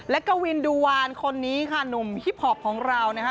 และกวินดูวานคนนี้ค่ะหนุ่มฮิปพอปของเรานะคะ